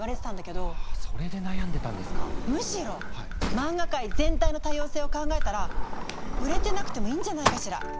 漫画界全体の多様性を考えたら売れてなくてもいいんじゃないかしら。